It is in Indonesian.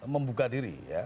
membuka diri ya